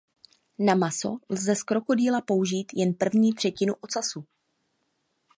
Na maso lze z krokodýla použít jen první třetinu ocasu.